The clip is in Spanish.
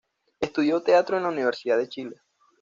Estudió teatro en la Universidad de Chile.